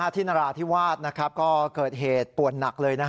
อธินราที่วาดก็เกิดเหตุปวดหนักเลย